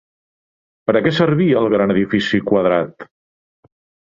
Per a què servia el gran edifici quadrat?